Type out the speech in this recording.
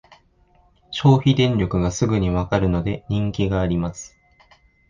消費電力がすぐにわかるので人気があります